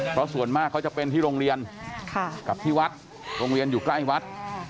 เพราะส่วนมากเขาจะเป็นที่โรงเรียนกับที่วัดโรงเรียนอยู่ใกล้วัด